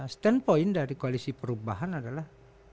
stand point dari koalisi perubahan adalah